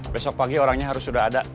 besok pagi orangnya harus sudah ada